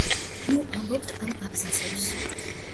ნუ ამბობთ ამ აბზაცებს!!!